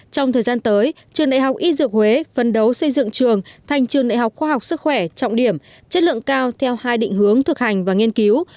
trong thời gian tới trường đại học y dược huế phân đấu xây dựng trường thành trường đại học khoa học sức khỏe trọng điểm chất lượng cao theo hai định hướng thực hành và nghiên cứu